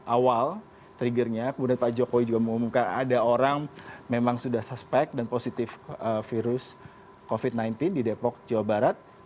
awal triggernya kemudian pak jokowi juga mengumumkan ada orang memang sudah suspek dan positif virus covid sembilan belas di depok jawa barat